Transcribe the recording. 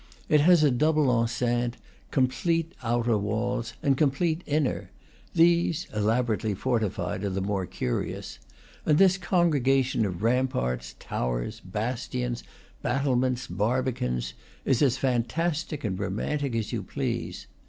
It has a double enceinte, complete outer walls and complete inner (these, elaborately forti fied, are the more curious); and this congregation of ramparts, towers, bastions, battlements, barbicans, is as fantastic and romantic as you please.